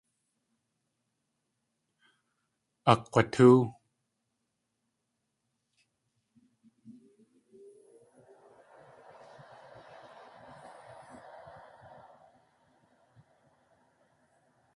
Akg̲watóow.